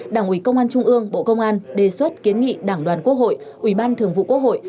đảng uỷ công an trung ương bộ công an đề xuất kiến nghị đảng đoàn quốc hội ubnd thường vụ quốc hội